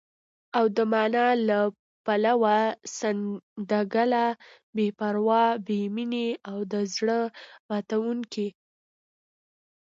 او د مانا له پلوه، سنګدله، بې پروا، بې مينې او د زړه ماتوونکې